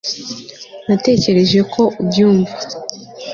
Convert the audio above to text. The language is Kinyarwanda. natekereje ko ubyumva